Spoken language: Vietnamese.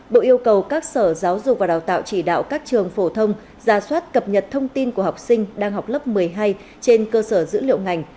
bộ yêu cầu các sở giáo dục và đào tạo chỉ đạo các trường phổ thông ra soát cập nhật thông tin của học sinh đang học lớp một mươi hai trên cơ sở dữ liệu ngành